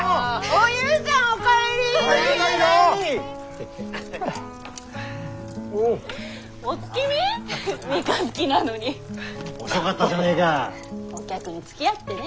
お客につきあってね。